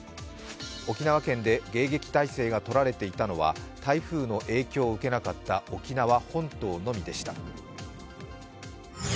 沖縄県で迎撃態勢がとられていたのは台風の影響を受けなかった沖縄本島のみでした。